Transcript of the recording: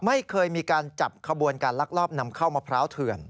ไม่เคยมีการจับขบวนการลักลอบนำเข้ามะพร้าวเถื่อน